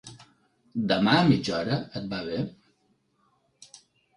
Demà a mitja hora, et va bé?